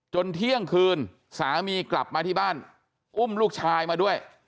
เที่ยงคืนสามีกลับมาที่บ้านอุ้มลูกชายมาด้วย